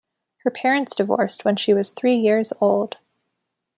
Her parents divorced when she was three years old.